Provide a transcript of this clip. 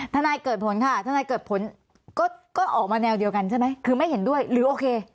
ถ้านายเกิดผลค่ะก็ออกมาแนวเดียวกันใช่ไหมคือไม่เห็นด้วยหรือโอเค